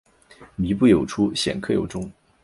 靡不有初鲜克有终